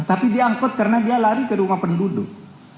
tapi diangkut karena dia lari ke rumah penduduk